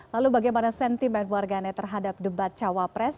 lalu bagaimana sentimen warganet terhadap debat cawa pres